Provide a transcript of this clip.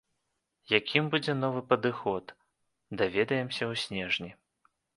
Якім будзе новы падыход, даведаемся ў снежні.